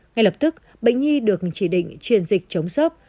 ngay lập tức bệnh nhi được chỉ định truyền dịch chống sốt